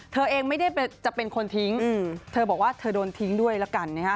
เธอเองไม่ได้จะเป็นคนทิ้งเธอบอกว่าเธอโดนทิ้งด้วยละกันนะฮะ